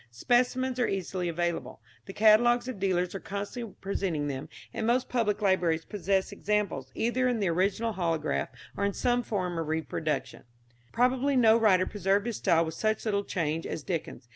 Specimens are easily available. The catalogues of dealers are constantly presenting them, and most public libraries possess examples, either in the original holograph or in some form of reproduction. Probably no writer preserved his style with such little change as Dickens.